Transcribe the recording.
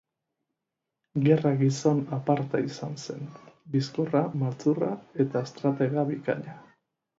Gerra-gizon aparta izan zen, bizkorra, maltzurra eta estratega bikaina.